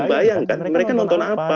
bayangkan mereka nonton apa gitu ya kan